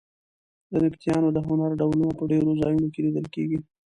د نبطیانو د هنر ډولونه په ډېرو ځایونو کې لیدل کېږي.